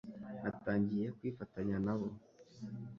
Natangiye kwifatanya na bo,